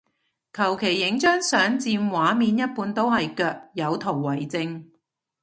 求其影張相佔畫面一半都係腳，有圖為證